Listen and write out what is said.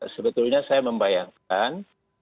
sebetulnya saya membayangkan